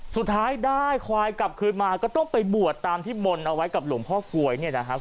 สุดท้ายได้ควายกลับคืนมาก็ต้องไปบวชตามที่บนเอาไว้กับหลวงพ่อกลวยเนี่ยนะครับ